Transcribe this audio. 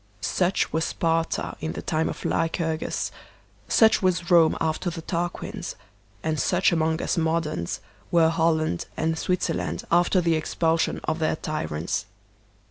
Such was Sparta in the time of Lycurgus, such was Rome after the Tarquins, and such among us modems were Holland and Switzerland after the expulsion of their tyrants.